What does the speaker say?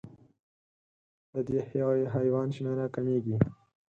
د دې حیوان شمېره کمېږي.